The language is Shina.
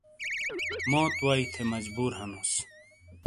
موت وائی تھے مجبور ہنوس۔